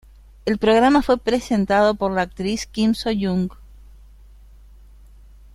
El programa fue presentado por la actriz Kim So-hyun.